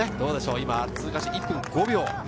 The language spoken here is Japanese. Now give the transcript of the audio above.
今通過して１分５秒。